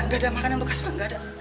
tidak ada makanan bekas pak